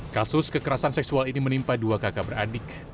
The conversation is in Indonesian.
kasus kekerasan seksual ini menimpa dua kakak beradik